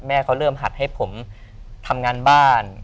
เขาเริ่มหัดให้ผมทำงานบ้าน